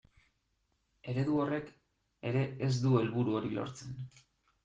Eredu horrek ere ez du helburu hori lortzen.